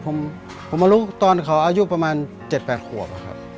ผมมารู้ตอนเขาอายุประมาณ๗๘ขวบครับ